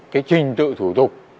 cái trình tự thủ tục